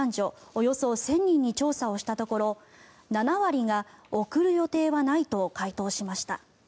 およそ１０００人に調査をしたところ、７割が贈る予定はないと回答しました。